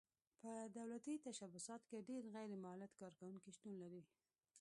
په دولتي تشبثاتو کې ډېر غیر مولد کارکوونکي شتون لري.